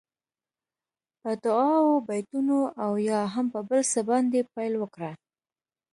په دعاوو، بېتونو او یا هم په بل څه باندې پیل وکړه.